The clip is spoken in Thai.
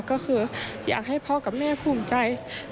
ก็คืออยากให้พ่อกับแม่ภูมิใจ